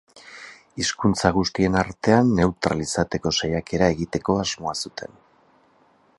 Hizkuntza guztien artean neutral izateko saiakera egiteko asmoa zuten.